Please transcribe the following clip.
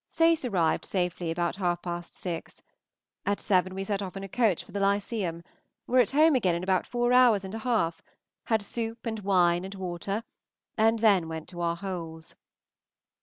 Sace arrived safely about half past six. At seven we set off in a coach for the Lyceum; were at home again in about four hours and a half; had soup and wine and water, and then went to our holes.